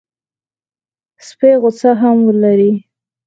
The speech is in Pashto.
سپي غصه هم لري.